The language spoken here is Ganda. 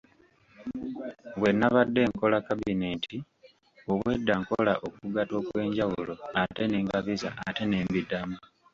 Bwe nabadde nkola kabineeti obwedda nkola okugatta okwenjawulo ate ne ngabiza ate ne mbiddamu.